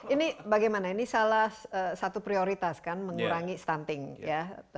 ini bagaimana ini salah satu prioritas kan mengurangi stunting ya